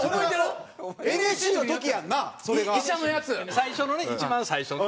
最初のね一番最初ね。